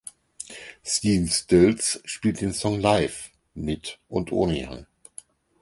Stephen Stills spielte den Song live mit und ohne Young.